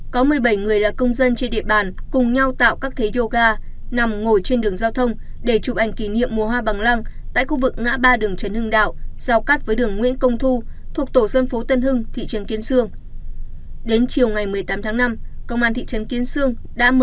cùng ngày căn cứ biên bản vụ việc và đề xuất của công an thị trấn kiên xương